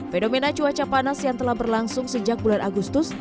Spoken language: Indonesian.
fenomena cuaca panas yang telah berlangsung sejak bulan agustus